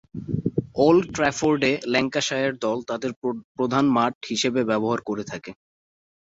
Old ট্রাফোর্ডে Lancashire দল তাদের প্রধান মাঠ হিসেবে ব্যবহার করে থাকে।